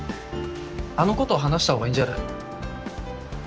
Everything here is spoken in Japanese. あのこと話した方がいいんじゃない？